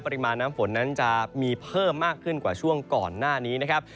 ปริมาณน้ำฝนนั้นจะมีเพิ่มมากขึ้นกว่าช่วงก่อนหน้านี้นะครับ